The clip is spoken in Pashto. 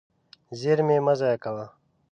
زېرمې مه ضایع کوه.